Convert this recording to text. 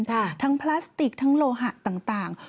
มันจุพันธุ์ทั้งพลาสติกทั้งโลหะต่าง